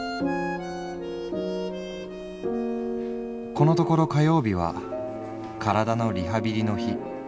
「このところ火曜日は体のリハビリの日。